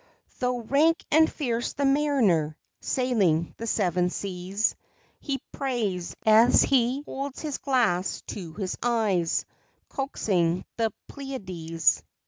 Though rank and fierce the mariner Sailing the seven seas, He prays, as he holds his glass to his eyes, Coaxing the Pleiades.